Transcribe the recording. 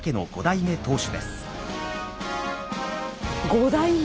五代目！